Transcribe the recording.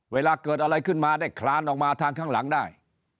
เวลาเกิดอะไรขึ้นมาได้คลานออกมาทางข้างหลังได้